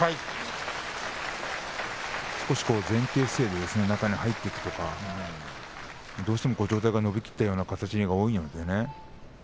少し前傾姿勢で中に入っていくとかどうしても上体が伸びきっている形が多いので。